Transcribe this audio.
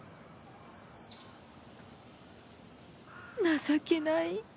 情けない